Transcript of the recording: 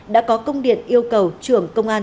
đã có công điện yêu cầu trưởng công an